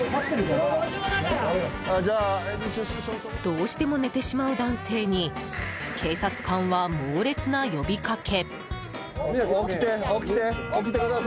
どうしても寝てしまう男性に警察官は猛烈な呼びかけ。